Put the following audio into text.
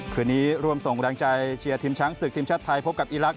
คืนนี้ร่วมส่งแรงใจเชียร์ทีมช้างศึกทีมชาติไทยพบกับอีลักษ